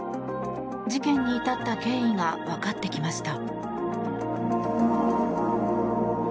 事件に至った経緯が分かってきました。